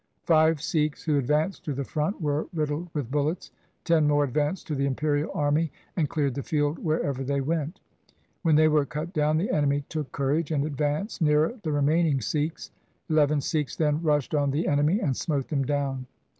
Five Sikhs who advanced to the front were riddled with bullets. Ten more advanced on the imperial army, and cleared the field wherever they went. When they were cut down, the enemy took courage and advanced nearer the remaining Sikhs. Eleven Sikhs then rushed on the enemy and smote them down.